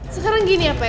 sekarang gini ya pa